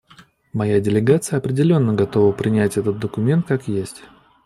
Моя делегация определенно готова принять этот документ как есть.